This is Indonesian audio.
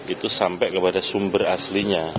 itu sampai kepada sumber aslinya